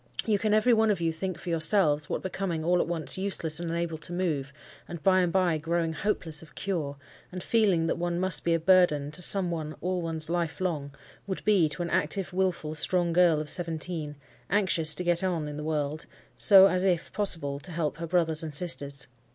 You can every one of you think for yourselves what becoming all at once useless and unable to move, and by and by growing hopeless of cure, and feeling that one must be a burden to some one all one's life long, would be to an active, wilful, strong girl of seventeen, anxious to get on in the world, so as, if possible, to help her brothers and sisters.